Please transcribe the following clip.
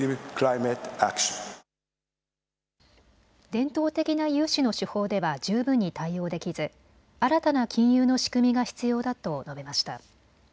伝統的な融資の手法では十分に対応できず新たな金融の仕組みが必要だと述べました。